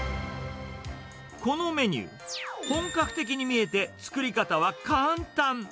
このメニュー、本格的に見えて、作り方は簡単。